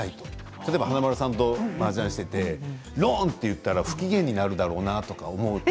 例えば華丸さんとマージャンをしていてロンと言ったら不機嫌になるだろうなと思うと。